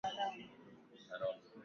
zilichanganya damu sana na Wasukuma